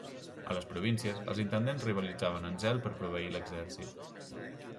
A les províncies, els intendents rivalitzaven en zel per proveir l'exèrcit.